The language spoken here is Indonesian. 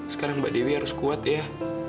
sekarang mbak dewi harus kuat ya